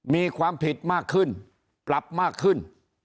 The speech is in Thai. มีความผิดมากขึ้นปรับมากขึ้น